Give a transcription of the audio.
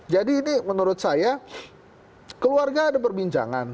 jadi ini menurut saya keluarga ada perbincangan